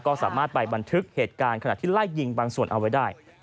ก็สามารถไปบันทึกเหตุการณ์ขณะที่ไล่ยิงบางส่วนเอาไว้ได้